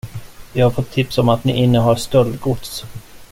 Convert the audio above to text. Vi har fått tips om att ni innehar stöldgods.